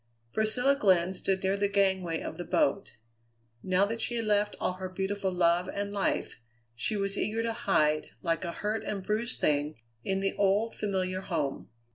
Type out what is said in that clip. Priscilla Glenn stood near the gangway of the boat. Now that she had left all her beautiful love and life, she was eager to hide, like a hurt and bruised thing, in the old, familiar home.